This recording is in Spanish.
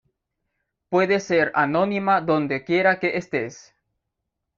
puedes ser anonima dónde quiera que estés